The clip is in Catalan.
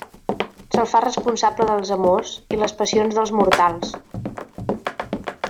Se'l fa responsable dels amors i les passions dels mortals.